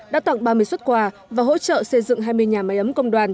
đã tặng ba mươi xuất quà và hỗ trợ xây dựng hai mươi nhà máy ấm công đoàn